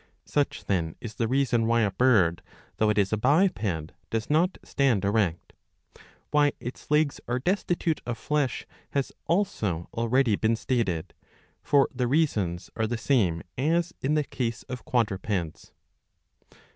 Such then is the reason why a bird, though it is a biped, does not stand erect. Why its legs are destitute of flesh has also already been stated ; for the reasons are the same as in the case of quadrupeds.